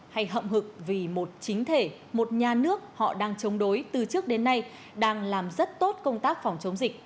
hay hậu hực vì một chính thể một nhà nước họ đang chống đối từ trước đến nay đang làm rất tốt công tác phòng chống dịch